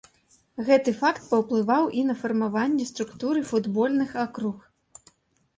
Гэты факт паўплываў і на фармаванне структуры футбольных акруг.